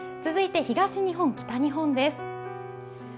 続いて東日本、北日本です。